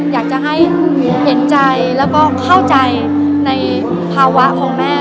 อยากจะให้เห็นใจแล้วก็เข้าใจในภาวะของแม่